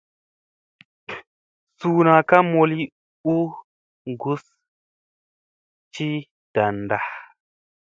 Suuna ka mooli u gussa ci danda.